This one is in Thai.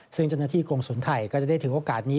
ซึ่งเจ้าหน้าที่กรงศูนย์ไทยก็จะได้ถือโอกาสนี้